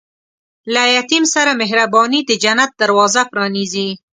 له یتیم سره مهرباني، د جنت دروازه پرانیزي.